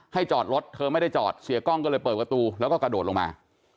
จอดรถเธอไม่ได้จอดเสียกล้องก็เลยเปิดประตูแล้วก็กระโดดลงมา